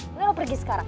nanti lo pergi sekarang